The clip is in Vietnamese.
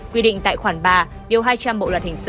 quy định tại khoảng ba hai trăm linh bộ luật hình sự